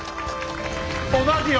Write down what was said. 同じよ。